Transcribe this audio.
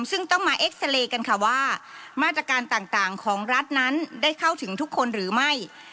ซึ่งต้องมาเอ็กซาเรย์กันค่ะว่ามาตรการต่างของรัฐนั้นได้เข้าถึงทุกคนหรือไม่